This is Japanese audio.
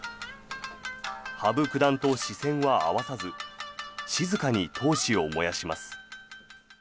羽生九段と視線は合わさず静かに闘志を燃やします。